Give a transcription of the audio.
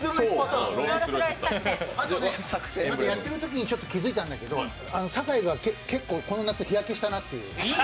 あと、やってるときに気づいたんだけど酒井が結構この夏日焼けしたなっていう。